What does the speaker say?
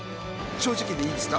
正直でいいです。